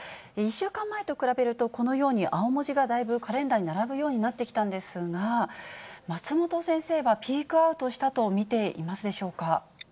１週間前と比べると、このように青文字がだいぶ、カレンダーに並ぶようになってきたんですが、松本先生はピークアウトしたと見ていますでしょうか。